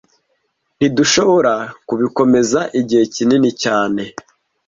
Ntidushobora kubikomeza igihe kinini cyane